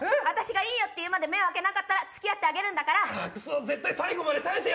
私がいいよって言うまで目を開けなかったら付き合ってあげるんだから。